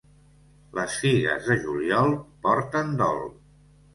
Les figues de juliol porten dol.